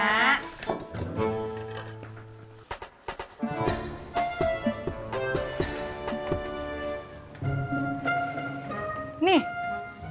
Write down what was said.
surti ngocok telur ini yang bener